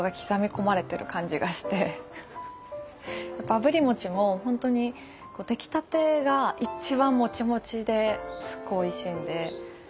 あぶり餅もほんとにできたてが一番もちもちですごいおいしいんで。